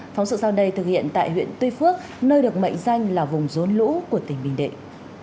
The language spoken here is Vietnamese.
phóng sự sau đây thực hiện tại huyện tuy phước nơi được mệnh danh là vùng rốn lũ của tỉnh bình định